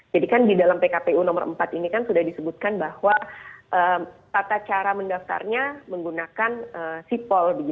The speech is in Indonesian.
jadi kan di dalam pkpu nomor empat ini kan sudah disebutkan bahwa tata cara mendaftarnya menggunakan sipol